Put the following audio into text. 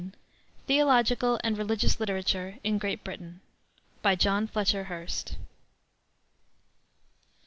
THEOLOGICAL AND RELIGIOUS LITERATURE IN GREAT BRITAIN. BY JOHN FLETCHER HURST.